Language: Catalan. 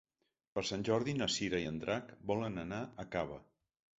Per Sant Jordi na Cira i en Drac volen anar a Cava.